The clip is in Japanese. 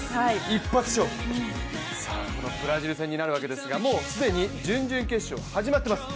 一発勝負、このブラジル戦になるわけですがもう既に準々決勝始まっています。